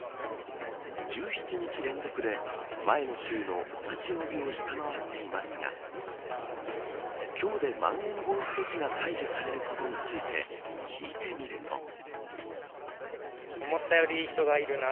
１７日連続で前の週の同じ曜日を下回っていますが今日で、まん延防止措置が解除されることについて聞いてみると。